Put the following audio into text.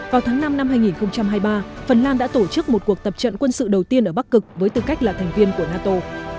vào tháng năm năm hai nghìn hai mươi ba phần lan đã tổ chức một cuộc tập trận quân sự đầu tiên ở bắc cực với tư cách là thành viên của nato